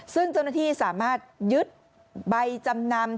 ซึ่งเจ้าหน้าที่สามารถยึดใบจำนำ